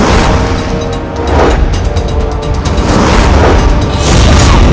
aku akan menemukanmu